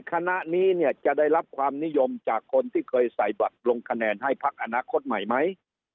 คณะนี้เนี่ยจะได้รับความนิยมจากคนที่เคยใส่บัตรลงคะแนนให้พักอนาคตใหม่ไหม